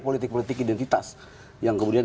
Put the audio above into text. politik politik identitas yang kemudian